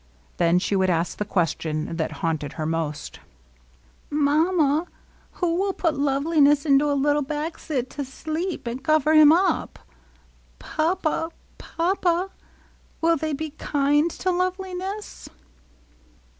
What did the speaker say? Then she would ask the question that haunted her most :— ^^Mamma^ who will put Loveliness into a little baxet to sleep^ and cover him up? Papa, Papa, will they be kind to Loveliness